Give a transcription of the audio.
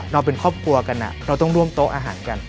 เราเป็นครอบครัวกันเราต้องร่วมโต๊ะอาหารกัน